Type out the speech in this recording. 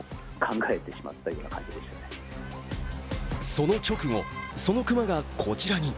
その直後、その熊がこちらに。